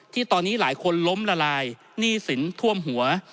ที่ตอนนี้หลายคนล้มละลายหนี้สินท่วมหัว